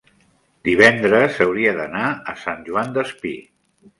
divendres hauria d'anar a Sant Joan Despí.